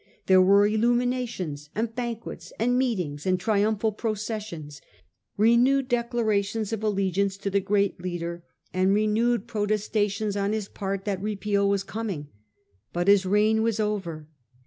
There were illuminations and banquets and meetings and triumphal processions, renewed declarations of allegiance to the great leader, and renewed protestations on his part that Repeal was co mi ng. But his reign was over.